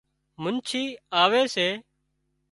منڇي آوي سي